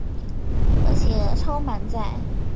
而且超满载